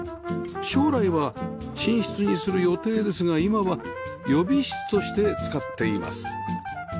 将来は寝室にする予定ですが今は予備室として使っています